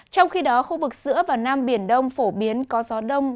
trong khi đó khu vực giữa và nam biển đông phổ biến có gió đông